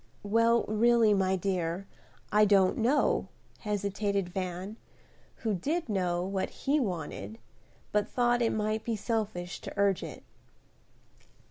"Well, really, my dear, I don't know," hesitated Van, who did know what he wanted, but thought it might be selfish to urge it.